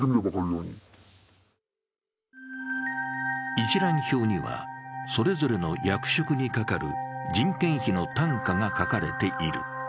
一覧表には、それぞれの役職にかかる人件費の単価が書かれている。